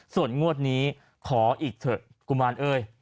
ส่วนงวดนี้ขออีกเถอะกุมารเอ้ย